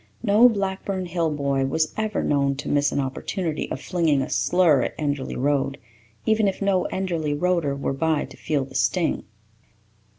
No Blackburn Hill boy was ever known to miss an opportunity of flinging a slur at Enderly Road, even if no Enderly Roader were by to feel the sting.